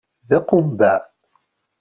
D aqumbeε.